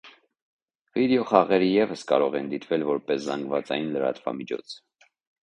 Վիդեո խաղերը ևս կարող են դիտվել որպես զանգվածային լրատվամիջոց։